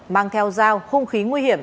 mang theo dao không khí nguy hiểm